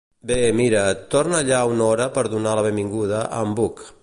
Bé, mira, torna allà una hora per donar la benvinguda a en Buck.